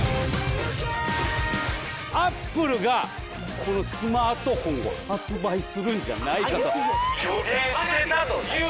アップルがこのスマートフォンを発売するんじゃないかと予言してたという。